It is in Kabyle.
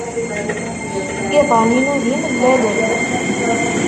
Iḍan-inu d imellalen.